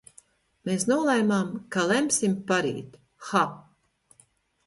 Mēs nolēmām, ka lemsim parīt... ha!